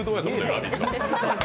「ラヴィット！」。